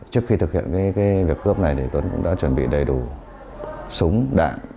trước khi thực hiện việc cướp này tuấn cũng đã chuẩn bị đầy đủ súng đạn